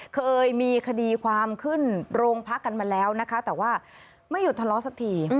เคยมีคดีความขึ้นโรงพักกันมาแล้วนะคะแต่ว่าไม่หยุดทะเลาะสักที